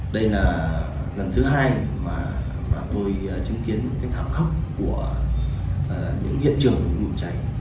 đây là lần thứ hai mà tôi chứng kiến những thảm khốc của những hiện trường đủ chạy